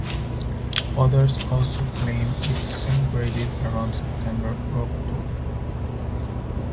Others also claim it is celebrated around September or October.